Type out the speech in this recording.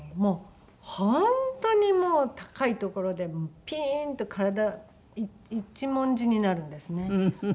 本当にもう高い所でピーンと体一文字になるんですね。